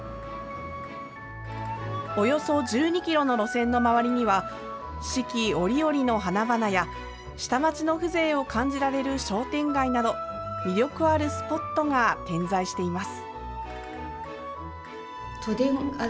およそ１２ｋｍの路線の周りには四季折々の花々や下町の風情を感じられる商店街など魅力あるスポットが点在しています。